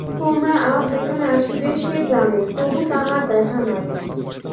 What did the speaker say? তোমরা আজ এখানে আসিবে সে জানে, তবু তাহার দেখা নাই।